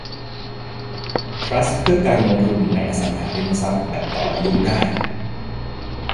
ทรัสต์เพื่อการลงทุนในอสังหาริมทรัพย์แบบต่ออายุได้